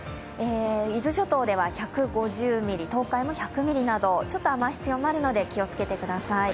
伊豆諸島では１５０ミリ、東海も１００ミリとちょっと雨足強まるので気をつけてください。